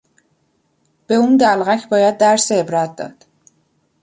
به اون دلقک باید درس عبرت داد.